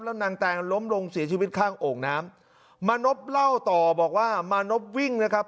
แล้วนางแตงล้มลงเสียชีวิตข้างโอ่งน้ำมานพเล่าต่อบอกว่ามานพวิ่งนะครับ